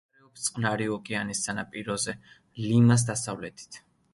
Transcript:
მდებარეობს წყნარი ოკეანის სანაპიროზე, ლიმას დასავლეთით.